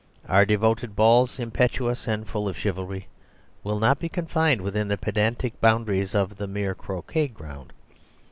Our devoted balls, impetuous and full of chivalry, will not be confined within the pedantic boundaries of the mere croquet ground.